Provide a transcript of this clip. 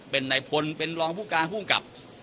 เป็นนายพลเป็นรองผู้การภูมิกับ